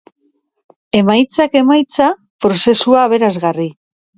Emaitzak emaitza, prozesua aberasgarri.